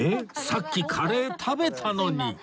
さっきカレー食べたのに！